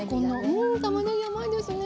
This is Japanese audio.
うんたまねぎ甘いですね。